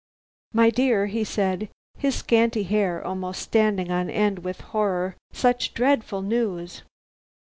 "My dear," he said, his scanty hair almost standing on end with horror, "such dreadful news.